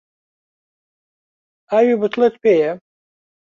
ئاوی بوتڵت پێیە؟